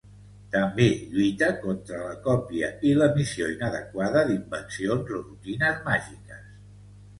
També lluita contra la còpia i l'emissió inadequada d'invencions o rutines màgiques.